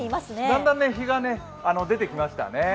だんだん日が出てきましたね。